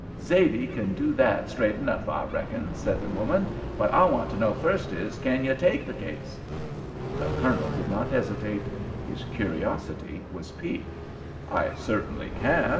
"Zaidee kin do that straight enough, I reckon," said the woman; "what I want to know first is, kin you take the case?" The Colonel did not hesitate; his curiosity was piqued. "I certainly can.